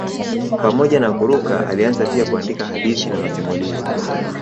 Pamoja na kuruka alianza pia kuandika hadithi na masimulizi.